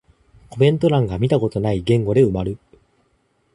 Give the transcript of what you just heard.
コメント欄が見たことない言語で埋まる